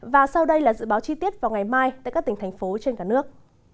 và sau đây là dự báo chi tiết vào ngày mai tại các tỉnh thành phố trên cả nước